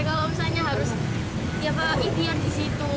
kalau misalnya harus ya pak idiar di situ